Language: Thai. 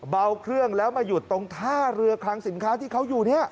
เบาเครื่องแล้วมาหยุดตรงท่าเรือคลังสินค้าที่เขาอยู่เนี่ย